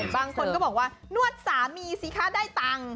บางคนก็บอกว่านวดสามีสิคะได้ตังค์